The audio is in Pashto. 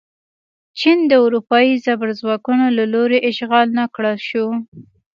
چین د اروپايي زبرځواکونو له لوري اشغال نه کړل شو.